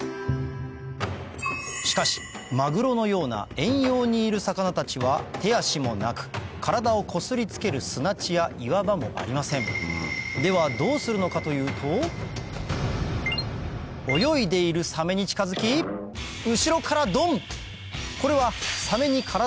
しかしマグロのような遠洋にいる魚たちは手足もなく体をこすりつける砂地や岩場もありませんではどうするのかというと泳いでいるサメに近づき後ろからドン！